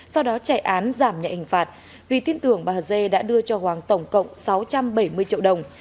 sau đó chạy án giảm nhạy hình phạt vì tin tưởng bà hờ dê đã đưa cho hoàng tổng cộng sáu trăm bảy mươi triệu đồng